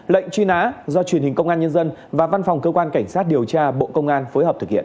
lệnh truy nã do truyền hình công an nhân dân và văn phòng cơ quan cảnh sát điều tra bộ công an phối hợp thực hiện